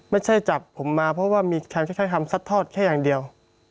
ไม่ใช่จับผมมาเพราะว่ามีการใช้คำซัดทอดแค่อย่างเดียว